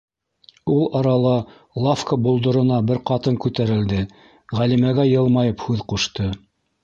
Ул арала лавка болдорона бер ҡатын күтәрелде, Ғәлимәгә йылмайып һүҙ ҡушты: